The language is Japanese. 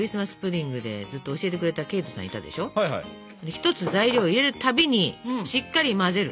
１つ材料を入れるたびにしっかり混ぜる。